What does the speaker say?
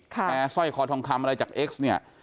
แย้สร้อยครองคำอะไรเนี่ย